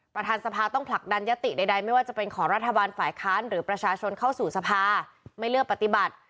ประธานสภาต้องผลักดันยติใดไม่ว่าจะเป็นของรัฐบาลฝ่ายค้านหรือประชาชนเข้าสู่สภาไม่เลือกปฏิบัติ